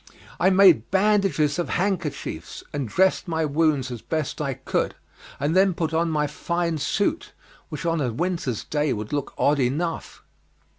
I made bandages of handkerchiefs, and dressed my wounds as best I could, and then put on my fine suit, which on a winter's day would look odd enough.